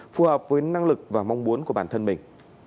phù hợp với năng lực và mong muốn của bản thân mình